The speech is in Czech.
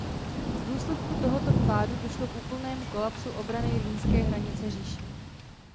V důsledku tohoto vpádu došlo k úplnému kolapsu obrany rýnské hranice říše.